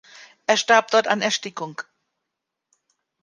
Er starb dort an Erstickung.